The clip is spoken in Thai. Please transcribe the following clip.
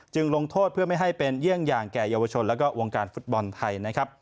ลงโทษเพื่อไม่ให้เป็นเยี่ยงอย่างแก่เยาวชนและวงการฟุตบอลไทยนะครับ